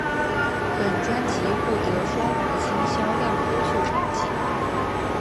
本专辑获得双白金销量优秀成绩。